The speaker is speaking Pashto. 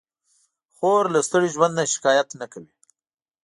خور له ستړي ژوند نه شکایت نه کوي.